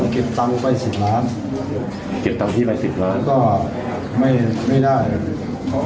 เกิดตำไปสิบล้านเกิดตำที่ไปสิบล้านก็ไม่ได้